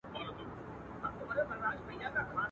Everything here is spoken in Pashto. بیا د ښکلیو پر تندیو اوربل خپور سو.